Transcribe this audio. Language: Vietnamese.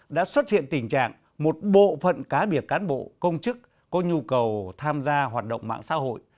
đã xuất hiện tình trạng một bộ phận cá biệt cán bộ công chức có nhu cầu tham gia hoạt động mạng xã hội